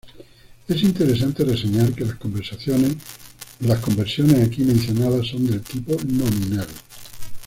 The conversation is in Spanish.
Es interesante reseñar que las conversiones aquí mencionadas son del tipo nominal.